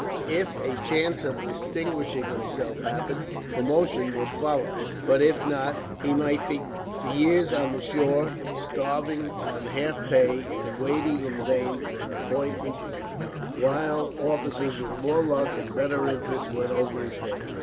If a chance of distinguishing himself happened, promotion would follow; but if not, he might be for years on shore, starving on half pay and waiting in vain for an appointment, while officers with more luck and better interest went over his head.